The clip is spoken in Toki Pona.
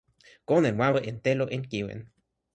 kon en wawa en telo en kiwen